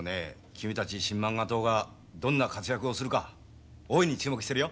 君たち新漫画党がどんな活躍をするか大いに注目してるよ。